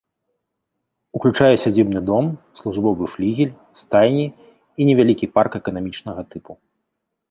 Уключае сядзібны дом, службовы флігель, стайні і невялікі парк эканамічнага тыпу.